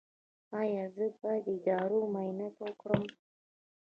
ایا زه باید د ادرار معاینه وکړم؟